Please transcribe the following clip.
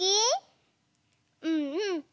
うんうん。